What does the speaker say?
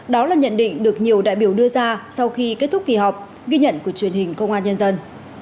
đó là nhận định được nhiều đại biểu đưa ra sau khi kết thúc kỳ họp ghi nhận của truyền hình công an nhân dân